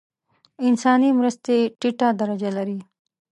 انساني مرستې ټیټه درجه لري.